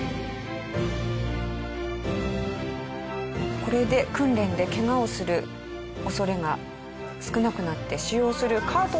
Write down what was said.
これで訓練でケガをする恐れが少なくなって使用するカートリッジも少なくて済みます。